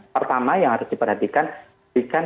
pertama yang harus diperhatikan